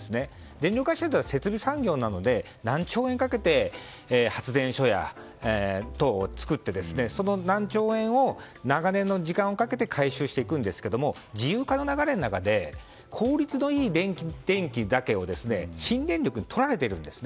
電力会社って設備産業なので何兆円かけて発電所等を作って、その何兆円を長年の時間をかけて回収していくんですが自由化の流れの中で効率のいい電気だけを新電力にとられているんです。